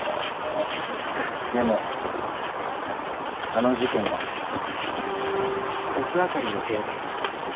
でもあの事件が起きた。